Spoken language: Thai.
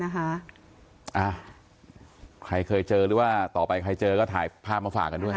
ใครเคยเจอหรือว่าต่อไปใครเจอก็ถ่ายภาพมาฝากกันด้วย